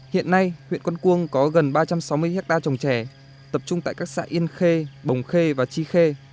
hiện nay huyện quân quông có gần ba trăm sáu mươi hectare trồng trè tập trung tại các xã yên khê bồng khê và chi khê